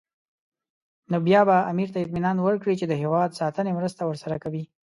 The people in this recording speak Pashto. نو بیا به امیر ته اطمینان ورکړي چې د هېواد ساتنې مرسته ورسره کوي.